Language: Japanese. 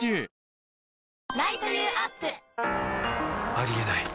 ありえない